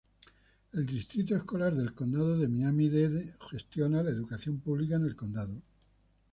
El distrito escolar del Condado de Miami-Dade gestiona la educación pública en el condado.